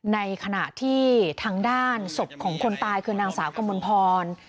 ในขณะที่ทางด้านศพของคนตายคือนางสาวกมลพร